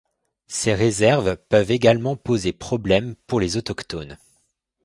Ses réserves peuvent également poser problème pour les autochtones.